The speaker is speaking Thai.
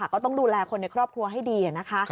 ก็ต้องดูแลคนในครอบครัวให้ดีนะคะ